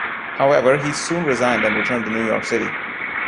However, he soon resigned and returned to New York City.